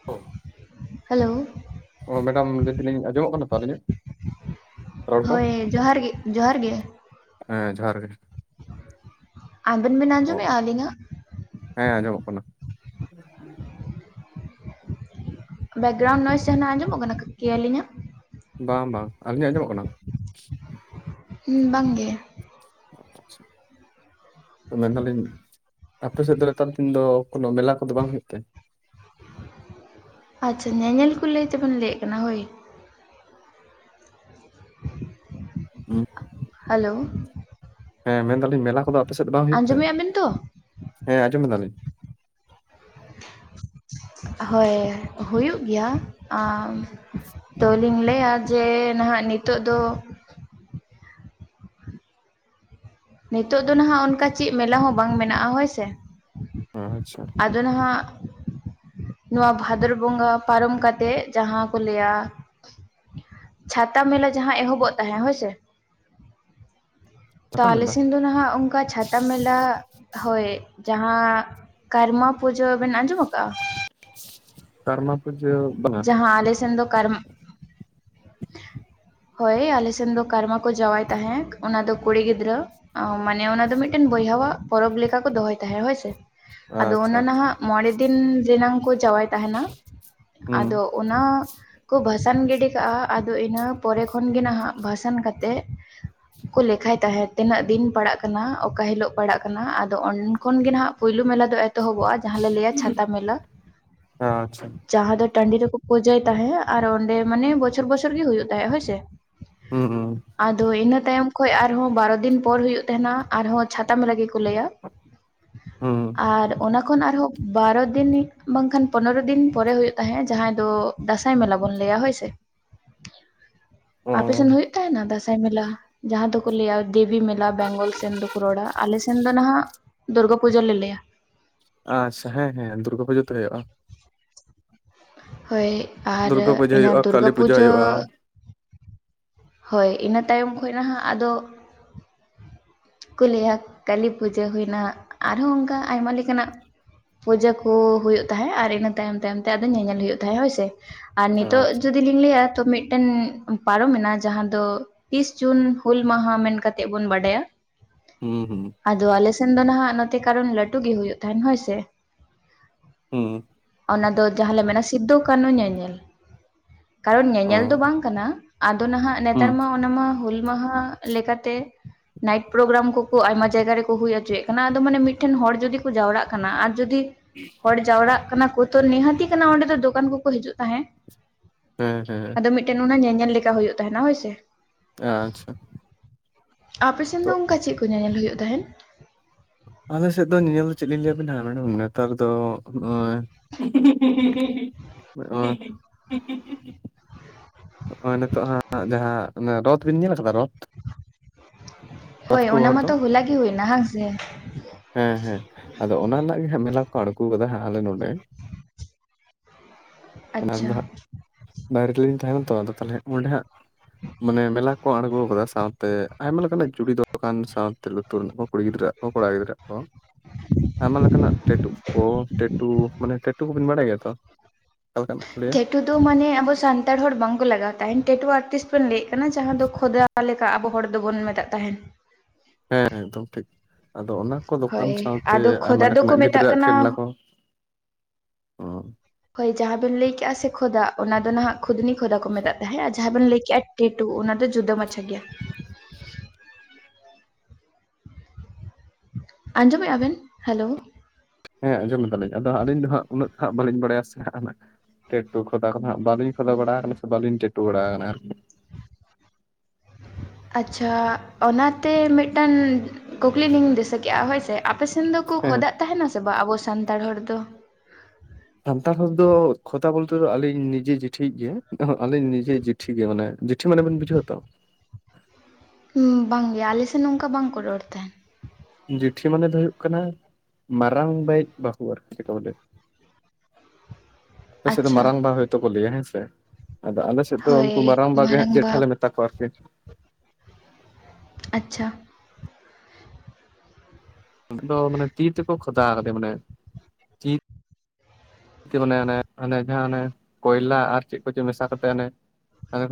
[unintelligible] Hello, ᱚ madam ᱞᱟᱹᱭ ᱫᱟᱞᱤᱧ ᱟᱸᱡᱚᱢᱚᱜ ᱠᱟᱱᱟ ᱛᱚ ᱟᱹᱞᱤᱧᱟᱜ, ᱨᱚᱲ ᱠᱚ? ᱦᱳᱭ, ᱡᱚᱦᱟᱨ ᱜᱮ ᱡᱚᱦᱟᱨ ᱜᱮ ᱦᱮᱸ, ᱡᱚᱦᱟᱨ ᱜᱮ ᱟᱵᱤᱱ ᱵᱤᱱ ᱚ ᱟᱸᱡᱚᱢ ᱢᱮᱜ-ᱟ ᱟᱞᱤᱧᱟ? ᱦᱮᱸ, ᱟᱸᱡᱚᱢᱚᱜ ᱠᱟᱱᱟ ᱵᱮᱠᱜᱨᱟᱣᱩᱱᱰ ᱱᱚᱭᱥᱮ ᱡᱟᱦᱟᱱᱟᱜ ᱟᱸᱡᱚᱢᱚᱜ ᱠᱟᱠᱤ ᱟᱞᱤᱧᱟᱹ? ᱵᱟᱝ ᱵᱟᱝ ᱟᱹᱞᱤᱧᱟ-ᱟᱸᱡᱚᱢᱚᱜ ᱠᱟᱱᱟ? ᱸ ᱵᱟᱝ ᱜᱮ, [unintelligible] ᱢᱮᱱ ᱫᱟᱞᱤᱧ ᱟᱯᱮ ᱥᱮᱫ ᱫᱚ ᱱᱮᱛᱟᱨ ᱫᱤᱱ ᱫᱚ ᱠᱳᱱᱳ ᱢᱮᱞᱟ ᱠᱚ ᱫᱚ ᱵᱟᱝ ᱦᱳᱭᱳᱜ ᱛᱮ? ᱟᱪᱪᱷᱟ ᱧᱮᱧᱮᱞ ᱠᱚ ᱞᱟᱹᱭ ᱛᱮᱵᱮᱱ ᱞᱟᱹᱭᱮᱫ ᱠᱟᱱᱟ ᱦᱳᱭ? ᱦᱩᱸ, ᱦᱮᱞᱳ, ᱦᱮᱸ ᱢᱮᱱ ᱫᱟᱞᱤᱧ ᱢᱮᱞᱟ ᱠᱚ ᱫᱚ ᱟᱯᱮ ᱥᱮᱫ ᱫᱚ ᱵᱟᱝ ᱦᱳᱭᱳᱜ ᱛᱮ? ᱟᱸᱡᱚᱢᱮᱫᱼᱟ ᱵᱮᱱ ᱛᱚ ᱦᱮᱸ ᱟᱸᱡᱚᱢ ᱫᱟᱞᱤᱧ ᱦᱳᱭ, ᱦᱩᱭᱩᱜ ᱜᱮᱭᱟ ᱛᱳᱞᱤᱧ ᱞᱟᱹᱭᱟ ᱡᱮ ᱱᱟᱦᱟᱜ ᱱᱤᱛᱳᱜ ᱫᱚ ᱱᱤᱛᱳᱜ ᱫᱚ ᱱᱟᱦᱟᱜ ᱚᱱᱠᱟ ᱪᱮᱫ ᱢᱮᱞᱟ ᱦᱚᱸ ᱵᱟᱝ ᱢᱮᱱᱟᱜᱼᱟ ᱦᱳᱭ ᱥᱮ, ᱟᱪᱪᱷᱟ, ᱚᱸᱰᱮ ᱱᱦᱟᱸᱜ ᱱᱚᱣᱟ ᱵᱷᱟᱫᱚᱨ ᱵᱚᱸᱜᱟ ᱯᱟᱨᱚᱢ ᱠᱟᱛᱮᱜ ᱡᱟᱦᱟᱸ ᱠᱚ ᱞᱟᱹᱭᱟ ᱪᱷᱟᱛᱟ ᱢᱮᱞᱟ ᱡᱟᱦᱟᱸ ᱮᱦᱚᱵᱚᱜ ᱛᱟᱦᱮᱸ ᱦᱳᱭᱥᱮ, ᱛᱟ ᱚᱠᱟ ᱟᱞᱮ ᱢᱮᱞᱟ? ᱥᱮᱱ ᱫᱚ ᱱᱦᱟᱸᱜ ᱚᱸᱠᱟ ᱪᱷᱟᱛᱟ ᱢᱮᱞᱟᱜ ᱦᱳᱭ ᱡᱟᱦᱟᱸ ᱠᱟᱨᱢᱟ ᱯᱩᱡᱟᱹ ᱵᱮᱱ ᱟᱸᱡᱚᱢ ᱟᱠᱟᱜ ᱟ? [unintelligible] ᱠᱟᱨᱢᱟ ᱯᱩᱡᱟᱹ ᱵᱟᱝᱼᱟ? ᱦᱚᱸ ᱟᱞᱮᱥᱮᱱ ᱫᱚ ᱠᱟᱨᱢ- ᱦᱳᱭ ᱟᱞᱮ ᱥᱮᱱ ᱫᱚ ᱠᱟᱨᱢᱟ ᱠᱚ ᱡᱟᱣᱟᱭ ᱛᱟᱦᱮᱸᱠ ᱚᱱᱟ ᱫᱚ ᱠᱩᱲᱤ ᱜᱤᱫᱽᱨᱟᱹ ᱚᱸ ᱢᱟᱱᱮ ᱚᱱᱟ ᱫᱚ ᱢᱤᱫᱴᱟᱹᱱ ᱵᱚᱭᱦᱟᱣᱟᱜ ᱯᱚᱨᱚᱵᱽ ᱞᱮᱠᱟ ᱠᱚ ᱫᱚᱦᱚᱭ ᱛᱟᱦᱮᱸᱜ ᱦᱳᱭ ᱥᱮ? ᱟᱫᱚ ᱟᱪᱪᱷᱟ ᱚᱱᱟ ᱱᱦᱟᱸᱜ ᱟᱪᱪᱷᱟ ᱢᱚᱬᱮ ᱫᱤᱱ ᱡᱮ ᱱᱟᱝ ᱠᱚ ᱡᱟᱣᱟᱭ ᱛᱟᱦᱮᱸᱱᱟ ᱦᱩᱸ ᱟᱫᱚ ᱚᱱᱟ ᱦᱚᱸ ᱠᱚ ᱵᱷᱟᱥᱟᱱ ᱜᱤᱰᱤ ᱠᱟᱜᱼᱟᱜ, ᱟᱫᱚ ᱤᱱᱟᱹ ᱯᱚᱨᱮ ᱠᱷᱚᱱ ᱜᱮ ᱱᱦᱟᱸᱜ ᱵᱷᱟᱥᱟᱱ ᱠᱟᱛᱮᱜ ᱠᱚ ᱞᱮᱠᱷᱟᱭ ᱛᱟᱦᱮᱸᱫ ᱛᱤᱱᱟᱹᱜ ᱫᱤᱱ ᱯᱟᱲᱟᱜ ᱠᱟᱱᱟ, ᱚᱠᱟ ᱦᱤᱞᱳᱜ ᱯᱟᱲᱟᱜ ᱠᱟᱱᱟ, ᱟᱫᱚ ᱚᱱᱮᱱ ᱠᱷᱚᱱ ᱜᱮ ᱱᱦᱟᱸᱜ ᱯᱩᱭᱞᱩ ᱢᱮᱞᱟ ᱫᱚ ᱮᱛᱚᱦᱚᱵᱚᱜᱼᱟ ᱡᱟᱦᱟᱸ ᱞᱮ ᱞᱟᱹᱭᱼᱟ ᱪᱷᱟᱛᱟ ᱢᱮᱞᱟ᱾ ᱟᱪᱪᱷᱟ ᱡᱟᱦᱟᱸ ᱫᱚ ᱴᱟᱺᱰᱤ ᱨᱮᱠᱚ ᱯᱩᱡᱟᱹᱭ ᱛᱟᱦᱮᱸᱜ ᱟᱨ ᱚᱸᱰᱮ ᱢᱟᱱᱮ ᱵᱚᱪᱷᱚᱨ ᱵᱚᱪᱷᱚᱨ ᱜᱮ ᱦᱩᱭᱩᱜ ᱛᱟᱦᱮᱸᱜ ᱦᱳᱭᱥᱮ᱾ ᱦᱩᱸ ᱦᱩ᱾ ᱟᱫᱚ ᱤᱱᱟᱹ ᱛᱟᱭᱚᱢ ᱠᱷᱚᱡ ᱟᱨᱦᱚᱸ ᱵᱟᱨᱚ ᱫᱤᱱ ᱯᱚᱨ ᱦᱩᱭᱩᱜ ᱛᱟᱦᱮᱸᱱᱟ ᱟᱨᱦᱚᱸ ᱪᱷᱟᱛᱟ ᱢᱮᱞᱟ ᱜᱮ ᱠᱚ ᱞᱟᱹᱭᱼᱟ, ᱦᱩᱸ ᱟᱨ ᱚᱱᱟ ᱠᱷᱚᱱ ᱟᱨᱦᱚᱸᱵ ᱵᱟᱨᱚ ᱫᱤᱱᱤᱠ ᱵᱟᱝᱠᱷᱟᱱ ᱯᱚᱸᱫᱽᱨᱚ ᱫᱤᱱ ᱯᱚᱨᱮ ᱦᱩᱭᱩᱜ ᱛᱟᱦᱮᱸᱜ ᱡᱟᱦᱟᱸᱭ ᱫᱚ ᱫᱟᱸᱥᱟᱭ ᱢᱮᱞᱟ ᱵᱚᱱ ᱞᱟᱹᱭᱼᱟ, ᱦᱳᱭ ᱥᱮ᱾ ᱚ ᱟᱯᱮᱥᱮᱱ ᱦᱩᱭᱩᱜ ᱛᱟᱦᱮᱸᱱᱟ ᱫᱟᱸᱥᱟᱭ ᱢᱮᱞᱟ ᱡᱟᱦᱟᱸ ᱫᱚᱠᱚ ᱞᱟᱹᱭᱼᱟ ᱫᱮᱵᱤ ᱢᱮᱞᱟ ᱵᱮᱝᱜᱚᱞ ᱥᱮᱱ ᱫᱚᱠᱚ ᱨᱚᱲᱼᱟ, ᱟᱞᱮ ᱥᱮᱱ ᱫᱚ ᱱᱷᱟᱸᱜ ᱫᱩᱨᱜᱟᱹ ᱯᱩᱡᱟᱹ ᱞᱮ ᱞᱟᱹᱭᱼᱟ᱾ ᱟᱪᱪᱷᱟ ᱦᱮᱸ ᱦᱮᱸ, ᱫᱩᱨᱜᱟᱹ ᱯᱩᱡᱟᱹ ᱛᱚ ᱦᱩᱭᱩᱜᱼᱟ᱾ ᱦᱳᱭ ᱟᱨ ᱫᱩᱨᱜᱟᱹ ᱯᱩᱡᱟᱹ ᱤᱱᱟᱹ ᱦᱩᱭᱩᱜᱼᱟ ᱠᱟᱹᱞᱤ ᱫᱩᱨᱜᱟᱹ ᱯᱩᱡᱟᱹ ᱦᱩᱭᱩᱜᱼᱟ ᱦᱳᱭ ᱤᱱᱟᱹ ᱛᱟᱭᱚᱢ ᱠᱷᱚᱡ ᱱᱷᱟᱸᱜ ᱟᱫᱚ ᱠᱚ ᱞᱟᱹᱭ ᱦᱟ ᱠᱟᱹᱞᱤ ᱯᱩᱡᱟᱹ ᱦᱩᱭ ᱮᱱᱟ ᱦᱟᱸᱜ ᱟᱨᱦᱚᱸ ᱚᱸᱠᱟ ᱟᱭᱢᱟ ᱞᱮᱠᱟᱱᱟᱜ ᱯᱩᱡᱟᱹ ᱠᱚ ᱦᱩᱭᱩᱜ ᱛᱟᱦᱮᱸᱜ ᱟᱨ ᱤᱱᱟᱹ ᱛᱟᱭᱚᱢ ᱛᱟᱭᱚᱢ ᱛᱮ ᱟᱫᱚ ᱧᱮᱧᱮᱞ ᱦᱩᱭᱩᱜ ᱛᱟᱦᱮᱸᱜ ᱦᱳᱭᱥᱮ᱾ ᱟᱨ ᱱᱤᱛᱚᱜ ᱟᱪᱪᱷᱟ ᱡᱩᱫᱤ ᱞᱤᱧ ᱞᱟᱹᱭᱼᱟ, ᱛᱚ ᱢᱤᱫᱴᱟᱹᱱ ᱯᱟᱨᱚᱢᱮᱱᱟ ᱡᱟᱦᱟᱸ ᱫᱚ ᱛᱤᱥ ᱡᱩᱱ ᱦᱩᱞ ᱢᱟᱦᱟ ᱢᱮᱱ ᱠᱟᱛᱮᱜ ᱵᱚᱱ ᱵᱟᱰᱟᱭᱟ, ᱦᱩᱸ ᱦᱩᱸ, ᱟᱫᱚ ᱟᱞᱮᱥᱮᱱ ᱫᱚ ᱱᱷᱟᱸᱜ ᱱᱚᱛᱮ ᱠᱟᱨᱚᱱ ᱞᱟᱹᱴᱩ ᱜᱮ ᱦᱩᱭᱩᱜ ᱛᱟᱦᱮᱸᱱ ᱦᱳᱭᱥᱮ᱾ ᱦᱩᱸ ᱦᱩᱸ, ᱚᱱᱟ ᱫᱚ ᱡᱟᱦᱟᱸ ᱞᱮ ᱢᱮᱱᱟ ᱥᱤᱫᱼᱫᱩ ᱠᱟᱹᱱᱦᱩ ᱧᱮᱧᱮᱞ᱾ ᱠᱟᱨᱚᱱ ᱚ ᱧᱮᱧᱮᱞ ᱫᱚ ᱵᱟᱝ ᱠᱟᱱᱟ, ᱟᱫᱚ ᱱᱷᱟᱸᱜ ᱦᱩᱸ ᱱᱮᱛᱟᱨ ᱢᱟ ᱚᱱᱟ ᱢᱟ ᱦᱩᱞ ᱢᱟᱦᱟ ᱞᱮᱠᱟᱛᱮ ᱱᱟᱤᱴᱼ- ᱯᱨᱳᱜᱨᱟᱢ ᱠᱚᱠᱚ ᱟᱭᱢᱟ ᱡᱟᱭᱜᱟ ᱨᱮᱠᱚ ᱦᱩᱭ ᱦᱚᱪᱚᱭᱮᱜ ᱠᱟᱱᱟ, ᱟᱫᱚ ᱢᱟᱱᱮ ᱢᱤᱫᱴᱷᱮᱱ ᱦᱚᱲ ᱡᱩᱫᱤ ᱠᱚ ᱡᱟᱣᱲᱟᱜ ᱠᱟᱱᱟ ᱟᱨ ᱡᱩᱫᱤ [unintelligible] ᱦᱚᱲ ᱡᱟᱣᱲᱟᱜ ᱠᱟᱱᱟ ᱠᱚ ᱛᱚ ᱱᱤᱦᱟᱹᱛᱤ ᱠᱟᱱᱟ ᱚᱸᱰᱮ ᱫᱚ ᱫᱚᱠᱟᱱ ᱠᱚᱠᱚ ᱦᱤᱡᱩᱜ ᱛᱟᱦᱮᱸ, ᱦᱩᱸ ᱦᱩᱸ, ᱟᱫᱚ ᱢᱤᱫᱴᱟᱹᱱ ᱚᱱᱟ ᱧᱮᱧᱮᱞ ᱞᱮᱠᱟ ᱦᱩᱭᱩᱜ ᱛᱟᱦᱮᱱᱟ, ᱦᱳᱭ ᱥᱮ᱾ ᱟᱼᱪᱪᱷᱟ, ᱟᱯᱮ ᱥᱮᱱ ᱫᱚ ᱚᱸᱠᱟ ᱪᱮᱜ ᱠᱚ ᱧᱮᱧᱮᱞ ᱦᱩᱭᱩᱜ ᱛᱟᱦᱮᱸᱱ? ᱟᱞᱮᱥᱮᱫ ᱫᱚ ᱧᱮᱧᱮᱞ ᱫᱚ ᱪᱮᱫ ᱞᱤᱧ ᱞᱟᱹᱭ ᱟᱹᱵᱤᱱᱟ ᱢᱮᱰᱚᱢ ᱱᱮᱛᱟᱨ ᱫᱚ ᱱᱚᱜᱼᱚᱸᱭ [unintelligible] ᱱᱚᱜᱼᱚᱸᱭ [unintelligible] ᱱᱚᱜᱼᱚᱸᱭ ᱱᱤᱛᱚᱜ ᱦᱟᱸᱜ ᱡᱟᱦᱟᱸ ᱚᱱᱮ ᱨᱚᱛᱷ ᱵᱤᱱ ᱧᱮᱞ ᱟᱠᱟᱫᱟ ᱨᱚᱛᱷ? ᱦᱳᱭ ᱚᱱᱟ ᱢᱟ ᱫᱚ ᱛᱚ ᱦᱚᱞᱟ ᱜᱮ ᱦᱩᱭ ᱮᱱᱟ ᱦᱟᱝ ᱥᱮ? ᱦᱮᱸ ᱦᱮᱸ ᱟᱫᱚ ᱚᱱᱟ ᱨᱮᱱᱟᱜ ᱜᱮ ᱦᱟᱜ ᱢᱮᱞᱟ ᱠᱚ ᱟᱬᱜᱚ ᱠᱟᱫᱟ ᱟᱞᱮ ᱱᱚᱰᱮ᱾ [inaudible] ᱢᱟᱱᱮ ᱟᱧ ᱟᱪᱪᱷᱟ ᱫᱚ ᱦᱟᱸᱜ ᱵᱟᱭᱨᱮ ᱨᱮᱞᱤᱧ ᱛᱟᱦᱮᱱᱟ ᱛᱚ ᱟᱫᱚ ᱛᱟᱞᱦᱮ ᱚᱸᱰᱮ ᱦᱟᱸᱜ ᱢᱟᱱᱮ ᱢᱮᱞᱟ ᱠᱚ ᱟᱬᱜᱚ ᱟᱠᱟᱫᱟ ᱥᱟᱶᱛᱮ ᱟᱭᱢᱟ ᱞᱮᱠᱟᱱᱟᱜ ᱪᱩᱲᱤ ᱫᱳᱠᱟᱱ ᱥᱟᱶᱛᱮ ᱠᱩᱲᱤ ᱜᱤᱫᱤᱨᱟᱹ ᱦᱚ ᱠᱚᱲᱟ ᱜᱤᱫᱽᱤᱨᱟᱹ ᱦᱚᱼᱼ ᱟᱭᱢᱟ ᱞᱮᱠᱟᱱᱟᱜ ᱴᱮᱴᱩ ᱠᱚ ᱴᱮᱴᱩ ᱢᱟᱱᱮ ᱴᱮᱴᱩ ᱠᱚᱵᱤᱱ ᱵᱟᱲᱟᱭ ᱜᱮᱭᱟ ᱛᱚ? ᱚᱠᱟ ᱞᱮᱠᱟᱱᱟᱜ ᱠᱚ ᱞᱟᱹᱭᱟ ᱴᱮᱴᱩ ᱫᱚ ᱢᱟᱱᱮ ᱟᱵᱚ ᱥᱟᱱᱛᱟᱲ ᱦᱚᱲ ᱵᱟᱝᱠᱚ ᱞᱟᱜᱟᱣ ᱛᱟᱦᱮᱱ ᱴᱮᱴᱩ ᱟᱨᱴᱤᱥᱴ ᱵᱚᱱ ᱞᱟᱹᱭᱮᱜ ᱠᱟᱱᱟ ᱡᱟᱦᱟᱸ ᱫᱚ ᱠᱷᱚᱫᱟ ᱚᱠᱟ ᱞᱮᱠᱟ ᱟᱵᱚ ᱦᱚᱲ ᱫᱚᱵᱚᱱ ᱢᱮᱛᱟᱜ ᱛᱟᱸᱦᱮᱱ᱾ ᱦᱮᱸ ᱮᱠᱫᱚᱢ ᱴᱷᱤᱠ, ᱟᱫᱚ ᱚᱱᱟ ᱠᱚ ᱦᱳᱭ ᱫᱚᱠᱟᱱ ᱥᱟᱶᱛᱮ ᱟᱫᱚ ᱟᱭᱢᱟ ᱠᱷᱚᱫᱟ ᱫᱚᱠᱚ ᱞᱮᱠᱟᱱᱟᱜ ᱢᱮᱛᱟᱜ ᱜᱤᱫᱽᱨᱟᱹᱜ ᱠᱟᱱᱟ ᱠᱷᱮᱞᱱᱟ ᱠᱚ ᱦᱳᱭ ᱡᱟᱦᱟᱸ ᱵᱮᱱ ᱞᱟᱹᱭ ᱠᱼᱟ ᱥᱮ ᱠᱷᱚᱫᱟ ᱚᱱᱟ ᱫᱚ ᱱᱟᱦᱟᱜ ᱠᱷᱩᱫᱱᱤ ᱠᱷᱚᱫᱟ ᱠᱚ ᱢᱮᱛᱟᱜ ᱫᱫᱟ ᱦᱮᱸ, ᱟᱡ ᱡᱟᱦᱟᱸ ᱵᱮᱱ ᱞᱟᱹᱭ ᱠᱮᱜᱼᱟ ᱴᱮ ᱴᱩ ᱚᱱᱟ ᱫᱚ ᱡᱩᱫᱟᱹ ᱢᱟᱪᱷᱟ ᱜᱮᱭᱟᱼᱼ [inaudible] ᱟᱸᱡᱚᱢᱮᱫᱼᱟ ᱵᱮᱱ ᱦᱮᱞᱳ? ᱦᱮᱸ ᱟᱸᱡᱚᱢ ᱮᱫᱟᱞᱤᱧ ᱟᱫᱚ ᱟᱹᱞᱤᱧ ᱫᱚ ᱦᱟᱸᱜ ᱩᱱᱟᱹᱜ ᱫᱚ ᱦᱟᱸᱜ ᱵᱟᱹᱞᱤᱧ ᱵᱟᱲᱟᱭ ᱥᱮ ᱴᱮᱴᱩ ᱠᱷᱚᱫᱟ ᱠᱚᱫᱚ ᱵᱟᱹᱞᱤᱧ ᱠᱷᱚᱫᱟ ᱵᱟᱲᱟ ᱟᱠᱟᱱᱟ ᱥᱮ ᱵᱟᱹᱞᱤᱧ ᱴᱮᱴᱩ ᱵᱟᱲᱟ ᱟᱠᱟᱱᱟ ᱟᱨᱠᱤ᱾ ᱟᱪᱪᱷᱟ ᱚᱱᱟᱛᱮ ᱢᱤᱫᱴᱟᱝ ᱠᱩᱠᱞᱤ ᱞᱤᱧ ᱫᱤᱥᱟᱹ ᱠᱮᱜᱼᱟ ᱦᱳᱭ ᱥᱮᱼᱼ ᱟᱯᱮ ᱥᱮᱱ ᱫᱚᱠᱚ ᱦᱮᱸ ᱠᱷᱚᱫᱟᱜ ᱛᱟᱦᱮᱱᱟ ᱥᱮ ᱵᱟᱝ ᱟᱵᱚ ᱥᱟᱱᱛᱟᱲ ᱦᱚᱲ ᱫᱚ? ᱥᱟᱱᱛᱟᱲ ᱦᱚᱲ ᱫᱚ ᱠᱷᱚᱛᱟ ᱵᱚᱞᱛᱮ ᱫᱚ ᱟᱹᱞᱤᱧ ᱱᱤᱡᱮ ᱡᱤᱴᱷᱤᱭᱤᱡ ᱜᱮ ᱟᱹᱞᱤᱧ ᱱᱤᱡᱮ ᱴᱷᱤᱠ ᱜᱮᱭᱟ ᱢᱟᱱᱮ ᱡᱮᱴᱷᱤ ᱢᱟᱱᱮ ᱵᱤᱱ ᱵᱩᱡᱷᱟᱹᱣ ᱛᱚᱼᱼ ᱵᱟᱝ ᱜᱮ ᱟᱞᱮᱱ ᱱᱚᱝᱠᱟ ᱵᱟᱝᱠᱚ ᱨᱚᱲ ᱛᱟᱸᱦᱮᱱ᱾ ᱡᱤᱴᱷᱤ ᱢᱟᱱᱮ ᱫᱚ ᱦᱩᱭᱩᱜ ᱠᱟᱱᱟ ᱢᱟᱨᱟᱝ ᱵᱟᱤᱡ ᱵᱟᱹᱦᱩ ᱟᱨᱠᱤ ᱪᱮᱫ ᱵᱚᱞᱮ᱾ [inaudible] ᱟᱯᱮ ᱥᱮᱫ ᱫᱚ ᱢᱟᱨᱟᱝᱵᱟ ᱦᱳᱭᱛᱳ ᱠᱚ ᱞᱟᱹᱭᱟ ᱦᱮᱸ ᱥᱮ ᱟᱫᱚ ᱟᱞᱮ ᱥᱮᱫ ᱫᱚ ᱦᱳᱭ ᱩᱱᱠᱩ ᱢᱟᱨᱟᱝ ᱵᱟᱜ ᱜᱮ ᱦᱜ ᱢᱟᱨᱟᱝᱵᱟ ᱡᱮᱴᱷᱟ ᱞᱮ ᱢᱮᱛᱟ ᱠᱚᱣᱟ᱾ ᱛᱟ ᱯᱚᱨ ᱪᱮᱫ [unintelligible] ᱟᱪᱪᱷᱟ᱾ ᱫᱚ ᱢᱟᱱᱮ ᱛᱤ ᱛᱮᱠᱚ ᱠᱷᱚᱫᱟ ᱠᱟᱫᱮ ᱢᱟᱱᱮ᱾ ᱛᱤ ᱢᱟᱱᱮ ᱚᱱᱮ ᱡᱟᱦᱟᱸ ᱚᱱᱮ ᱠᱚᱭᱞᱟ ᱟᱨ ᱪᱮᱫ ᱠᱚᱪᱚ ᱢᱮᱥᱟ ᱠᱟᱛᱮ ᱚᱱᱮ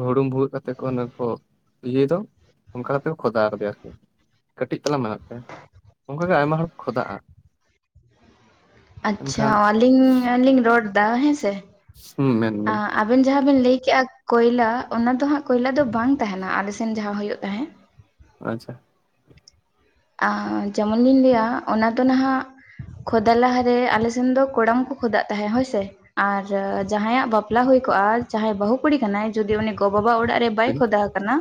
ᱦᱩᱲᱩᱝ ᱵᱷᱣᱟᱹᱜ ᱠᱟᱛᱮᱮᱫ ᱠᱚ ᱚᱱ ᱠᱚ ᱤᱭᱟᱹᱭ ᱫᱚ ᱚᱱᱠᱟ ᱠᱟᱛᱮ ᱠᱚ ᱠᱷᱚᱫᱟ ᱟᱠᱟᱫᱮᱭᱟ ᱟᱨᱠᱤ᱾ ᱠᱟᱹᱴᱤᱡ ᱪᱚᱞᱟᱝ ᱢᱮᱱᱟᱜ ᱛᱟᱭᱟ ᱚᱱᱠᱟ ᱜᱮ ᱟᱭᱢᱟ ᱦᱚᱲ ᱠᱚ ᱠᱷᱚᱫᱟᱜᱼᱟ᱾ ᱟᱪᱪᱷᱟ ᱮᱱᱠᱷᱟᱱ ᱟᱹᱞᱤᱧ ᱦᱚᱞᱤᱧ ᱨᱚᱲ ᱮᱫᱟ ᱦᱮᱸᱥᱮ ᱦᱩᱸ ᱢᱮᱱ ᱵᱮᱱ ᱟᱵᱮᱱ ᱡᱟᱦᱟᱸ ᱵᱮᱱ ᱞᱟᱹᱭᱠᱮᱜᱼᱟ ᱠᱚᱭᱞᱟ ᱚᱱᱟ ᱫᱚ ᱦᱟᱸᱜ ᱠᱚᱭᱞᱟ ᱫᱚ ᱵᱟᱝ ᱛᱟᱦᱮᱱᱟ ᱟᱞᱮᱥᱮᱱ ᱡᱟᱦᱟᱸ ᱦᱩᱭᱩᱜ ᱛᱟᱦᱮᱸᱫ᱾ ᱟᱪᱪᱷᱟ᱾ ᱡᱮᱢᱚᱱ ᱞᱤᱧ ᱞᱟᱹᱭᱟ ᱚᱱᱟ ᱫᱚ ᱱᱟᱦᱟᱜ ᱠᱷᱚᱫᱟ ᱞᱟᱦᱟᱨᱮ ᱟᱞᱮ ᱥᱮᱱ ᱫᱚ ᱠᱚᱲᱟᱢ ᱠᱚ ᱠᱷᱚᱫᱟᱜ ᱛᱟᱦᱮᱸᱫ ᱦᱳᱭᱥᱮ᱾ ᱟᱨ ᱡᱟᱦᱟᱸᱭᱟᱜ ᱵᱟᱯᱞᱟ ᱦᱩᱭ ᱠᱚᱜᱼᱟ ᱡᱟᱦᱟᱸᱭ ᱵᱟᱹᱦᱩ ᱠᱩᱲᱤ ᱠᱟᱱᱟᱭ ᱡᱩᱫᱤ ᱩᱱᱤ ᱜᱚ ᱵᱟᱵᱟ ᱚᱲᱟᱜ ᱨᱮ ᱵᱟᱭ ᱦᱩᱸ ᱠᱷᱚᱫᱟ ᱟᱠᱟᱱᱟ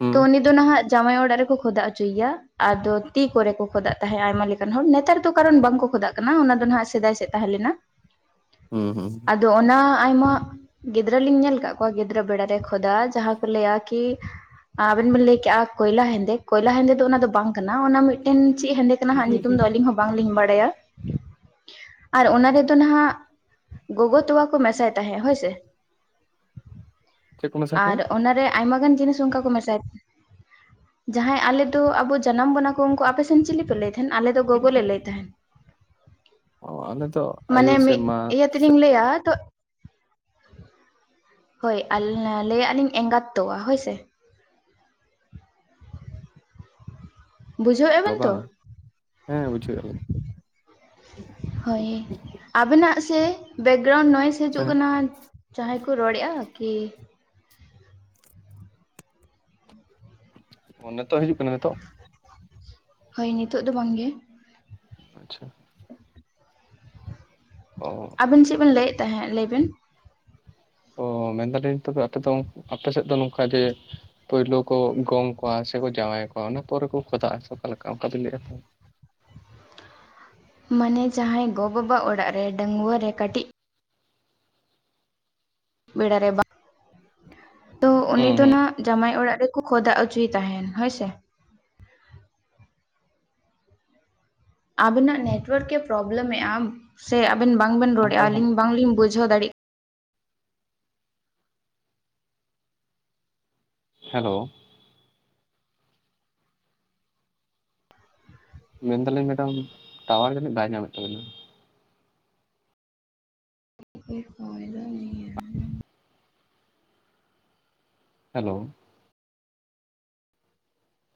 ᱦᱩᱸ ᱛᱚ ᱩᱱᱤ ᱫᱚ ᱱᱟᱦᱟᱜ ᱡᱟᱢᱟᱭ ᱚᱲᱟᱜ ᱨᱮᱠᱚ ᱠᱷᱚᱫᱟ ᱦᱚᱪᱚᱭᱮᱭᱟ᱾ ᱟᱫᱚ ᱛᱤ ᱠᱚᱨᱮ ᱠᱚ ᱠᱷᱚᱫᱟᱜ ᱛᱟᱦᱮᱸᱫ ᱟᱭᱢᱟ ᱞᱮᱠᱟᱱ ᱦᱚᱲ ᱱᱮᱛᱟᱨ ᱫᱚ ᱠᱟᱨᱚᱱ ᱵᱟᱝᱠᱚ ᱠᱷᱚᱫᱟᱜ ᱠᱟᱱᱟ ᱚᱱᱟ ᱫᱚ ᱱᱟᱦᱟᱜ ᱥᱮᱫᱟᱭ ᱥᱮᱫ ᱛᱟᱦᱮᱸ ᱞᱮᱱᱟ᱾ [inaudible] ᱦᱩᱸ ᱦᱩᱸᱦᱩᱸ᱾ ᱟᱫᱚ ᱚᱱᱟ ᱟᱭᱢᱟ ᱜᱤᱫᱽᱨᱟᱹ ᱞᱤᱧ ᱧᱮᱞ ᱟᱠᱟᱫ ᱠᱚᱣᱟ ᱜᱤᱫᱽᱨᱟᱹ ᱵᱮᱲᱟ ᱨᱮ ᱠᱷᱚᱫᱟ ᱡᱟᱦᱟᱸ ᱠᱚ ᱞᱟᱹᱭᱟ ᱟᱨᱠᱤ ᱟᱵᱮᱱ ᱵᱮᱱ ᱞᱟᱹᱭ ᱠᱮᱟ ᱠᱚᱭᱞᱟ ᱦᱮᱸᱫᱮ ᱠᱚᱭᱞᱟ ᱦᱮᱸᱫᱮ ᱫᱚ ᱚᱱᱟ ᱫᱚ ᱵᱟᱝ ᱠᱟᱱᱟ ᱾ ᱚᱱᱟ ᱢᱤᱫᱴᱮᱱ ᱪᱮᱫ ᱦᱮᱸᱫᱮ ᱠᱟᱱᱟ ᱦᱟᱜ ᱧᱩᱛᱩᱢ ᱫᱚ ᱟᱹᱞᱤᱧ ᱦᱚᱸ ᱵᱟᱝᱞᱤᱧ ᱵᱟᱲᱟᱭᱟ᱾ ᱟᱨ ᱚᱱᱟ ᱨᱮᱫᱚ ᱱᱟᱦᱟᱜ ᱜᱚᱜᱚ ᱛᱚᱣᱟ ᱠᱚ ᱢᱮᱥᱟᱭ ᱛᱟᱦᱮᱸᱜ ᱦᱳᱭ ᱥᱮ᱾ ᱪᱮᱫ ᱠᱚ ᱢᱮᱥᱟ ᱠᱟᱱᱟ ᱟᱨ ᱚᱱᱟᱨᱮ ᱟᱭᱢᱟ ᱜᱟᱱ ᱡᱤᱱᱤᱥ ᱚᱱᱠᱟ ᱠᱚ ᱢᱮᱥᱟᱭ ᱡᱟᱦᱟᱸᱭ ᱟᱞᱮ ᱫᱚ ᱟᱵᱚ ᱡᱟᱱᱟᱢ ᱵᱚᱱᱟ ᱠᱚ ᱩᱱᱠᱩ ᱟᱯᱮᱥᱮᱱ ᱪᱤᱞᱤᱯᱮ ᱞᱟᱹᱭ ᱛᱟᱦᱮᱸᱱ ᱟᱞᱮ ᱫᱚ ᱜᱚᱜᱚ ᱞᱮ ᱞᱟᱹᱭ ᱛᱟᱦᱮᱸᱱ᱾ ᱚ ᱟᱞᱮ ᱫᱚ ᱟᱭᱳ ᱢᱟᱱᱮ ᱥᱮ ᱢᱤᱫ ᱢᱟ ᱤᱭᱟᱹ ᱛᱮᱞᱤᱧ ᱞᱟᱹᱭᱟ ᱛᱚ ᱦᱳᱭ ᱞᱟᱹᱭᱟᱜ ᱞᱤᱧ ᱮᱸᱜᱟᱛ ᱛᱚᱣᱟ ᱦᱳᱭ ᱥᱮ᱾ ᱵᱩᱡᱷᱟᱹᱣᱮᱫᱼᱟ ᱵᱟ ᱵᱮᱱ ᱛᱚ ᱵᱟᱝ ᱦᱮᱸ ᱵᱩᱡᱷᱮ ᱟᱹᱞᱤᱧ᱾ ᱦᱳᱭ᱾ ᱟᱵᱮᱱᱟᱜ ᱥᱮ ᱵᱮᱠᱜᱨᱟᱣᱩᱱᱰ ᱱᱚᱭᱮᱥ ᱦᱤᱡᱩᱜ ᱦᱮᱸ ᱠᱟᱱᱟ ᱡᱟᱦᱟᱸᱭ ᱠᱚ ᱨᱚᱲᱮᱫ-ᱟ ᱠᱤ᱾ ᱱᱤᱛᱚᱜ ᱦᱤᱡᱩᱜ ᱠᱟᱱᱟ ᱱᱤᱛᱚᱜ᱾ ᱦᱳᱭ ᱱᱤᱛᱳᱜ ᱫᱚ ᱵᱟᱝᱜᱮ᱾ ᱟᱪᱪᱷᱟ᱾ ᱚ ᱟᱵᱤᱱ ᱪᱮᱫ ᱵᱤᱱ ᱞᱟᱹᱭᱮᱫ ᱛᱟᱦᱮᱸ ᱞᱟᱹᱭᱵᱤᱱ? ᱚ ᱢᱮᱱᱫᱟᱞᱤᱧ ᱛᱚᱵᱮ ᱟᱯᱮ ᱫᱚ ᱟᱯᱮ ᱥᱮᱫ ᱫᱚ ᱱᱚᱝᱠᱟ ᱡᱮ ᱯᱩᱭᱞᱩ ᱠᱚ ᱜᱚᱝ ᱠᱚᱣᱟ ᱥᱮᱠᱚ ᱡᱟᱶᱟᱭ ᱠᱚᱣᱟ ᱚᱱᱟ ᱯᱚᱨᱮ ᱠᱚ ᱠᱷᱚᱫᱟᱜ-ᱟ ᱥᱮ ᱚᱠᱟ ᱞᱮᱠᱟ ᱚᱱᱠᱟ ᱵᱤᱱ ᱞᱟᱹᱭᱮᱫ-ᱟ᱾ ᱢᱟᱱᱮ ᱡᱟᱦᱟᱸᱭ ᱜᱚ ᱵᱟᱵᱟ ᱚᱲᱟᱜ ᱨᱮ ᱰᱟᱹᱜᱩᱣᱟᱹ ᱨᱮ ᱠᱟᱹᱴᱤᱡ ᱵᱮᱲᱟᱨᱮ ᱵᱟᱝ ᱛᱚ ᱩᱱᱤ ᱦᱩᱸ ᱫᱚ ᱦᱩᱸ ᱱᱟᱜ ᱡᱟᱢᱟᱭ ᱚᱲᱟᱜ ᱨᱮ ᱠᱷᱚᱫᱟ ᱚᱪᱚᱭ ᱛᱟᱦᱮᱸᱱ ᱦᱳᱭ ᱥᱮ᱾ ᱟᱵᱮᱱᱟᱜ ᱱᱮᱴᱚᱣᱟᱨᱠ ᱜᱮ ᱯᱨᱚᱵᱞᱮᱢᱮ-ᱟ ᱥᱮ ᱟᱵᱮᱱ ᱵᱟᱝ ᱵᱮᱱ ᱚᱱᱠᱟ ᱨᱚᱲᱮᱜ-ᱟ ᱟᱞᱤᱧ ᱵᱟᱝᱞᱤᱧ ᱵᱩᱡᱷᱟᱹᱣ ᱫᱟᱲᱮᱭᱟᱜ ᱦᱮᱞᱳ? ᱢᱮᱱᱫᱟᱞᱤᱧ ᱢᱮᱰᱟᱢ ᱴᱟᱣᱟᱨ ᱡᱟᱹᱱᱤᱡ ᱵᱟᱭ ᱧᱟᱢᱮᱫ ᱛᱟᱵᱤᱱᱟ᱾ ᱠᱚ ᱯᱷᱟᱭᱫᱟ ᱱᱭᱟ [unintelligible] ᱦᱮᱞᱳ?